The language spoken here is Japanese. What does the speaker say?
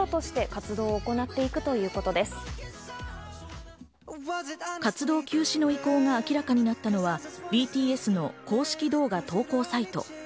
活動休止の意向が明らかになったのはＢＴＳの公式動画投稿サイト。